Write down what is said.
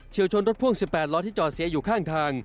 ชนรถพ่วง๑๘ล้อที่จอดเสียอยู่ข้างทาง